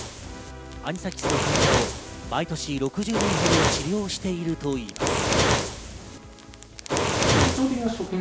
アニサキスの患者を毎年６０人ほど治療しているといいます。